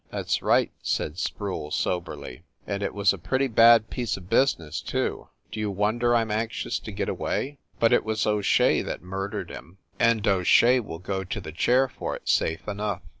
"That s right," said Sproule soberly. "And it was a pretty bad piece of business, too. Do you wonder I m anxious to get away? But it was THE NORCROSS APARTMENTS 271 O Shea that murdered him, and O Shea will go to the chair for it, safe enough.